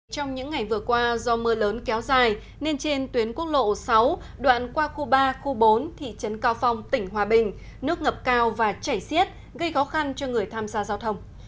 trong những ngày vừa qua do mưa lớn kéo dài nên trên tuyến quốc lộ sáu đoạn qua khu ba khu bốn thị trấn cao phong tỉnh hòa bình nước ngập cao và chảy xiết gây khó khăn cho người tham gia giao thông